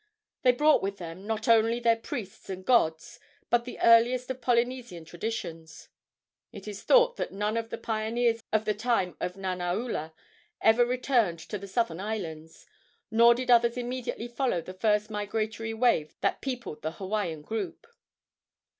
They brought with them not only their priests and gods, but the earliest of Polynesian traditions. It is thought that none of the pioneers of the time of Nanaula ever returned to the southern islands, nor did others immediately follow the first migratory wave that peopled the Hawaiian group.